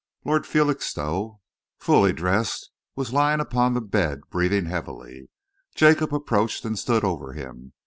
Lord Felixstowe, fully dressed, was lying upon the bed, breathing heavily. Jacob approached and stood over him.